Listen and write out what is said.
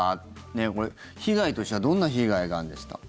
これ、被害としてはどんな被害があるんでしたっけ。